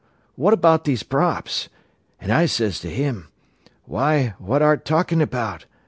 What about these props?' An' I says to him, 'Why, what art talkin' about?